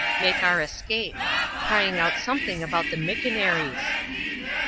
(make our escape), crying out something about the mickona rees.